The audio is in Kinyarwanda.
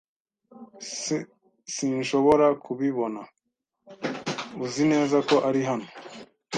S Sinshobora kubibona. Uzi neza ko ari hano?